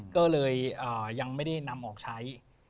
ก็เลยยังไม่ได้นำออกใช้